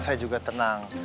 saya juga tenang